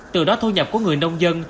từ đó thu nhập của người nông dân